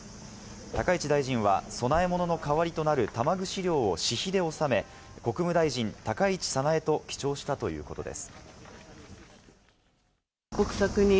高市大臣は供え物の代わりとなる玉串料を私費で納め、国務大臣・高市早苗と記帳したということです。